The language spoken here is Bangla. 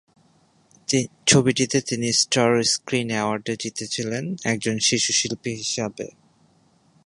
ছবিটিতে তিনি স্টার স্ক্রিন অ্যাওয়ার্ড জিতেছিলেন, একজন শিশু শিল্পী হিসাবে।